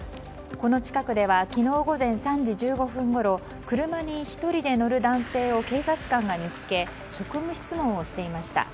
この近くでは昨日午前３時１５分ごろ車に１人で乗る男性を警察官が見つけ職務質問をしていました。